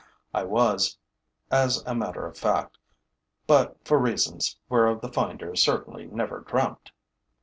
I was, as a matter of fact, but for reasons whereof the finder certainly never dreamt.